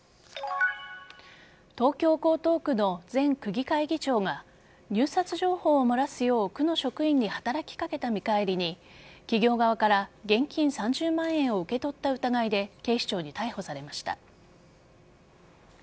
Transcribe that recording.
東京・江東区の前区議会議長が入札情報を漏らすよう区の職員に働きかけた見返りに企業側から現金３０万円を受け取った疑いで警視庁に逮捕されました。